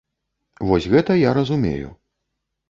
Вось гэта я разумею.